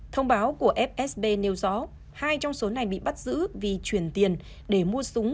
thông báo của fsb nêu rõ hai trong số này bị bắt giữ vì chuyển tiền để mua súng